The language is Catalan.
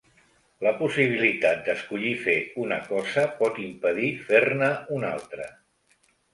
La possibilitat d'escollir fer una cosa pot impedir fer-ne una altra.